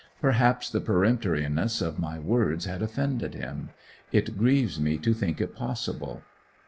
Perhaps the peremptoriness of my words had offended him; it grieves me to think it possible.